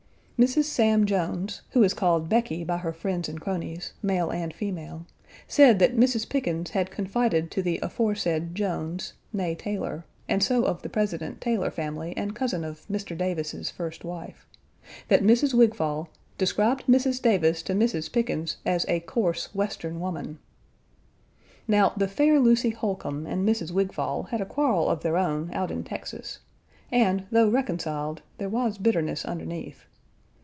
Mrs. Sam Jones, who is called Becky by her friends and cronies, male and female, said that Mrs. Pickens had confided to the aforesaid Jones (née Taylor, and so of the President Taylor family and cousin of Mr. Davis's first wife), that Mrs. Wigfall "described Mrs. Davis to Mrs. Pickens as a coarse Western woman." Now the fair Lucy Holcombe and Mrs. Wigfall had a quarrel of their own out in Texas, and, though reconciled, there was bitterness underneath.